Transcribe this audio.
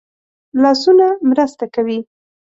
لاسونه مرسته کوي